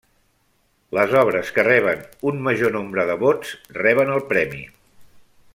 Les obres que reben un major nombre de vots, reben el premi.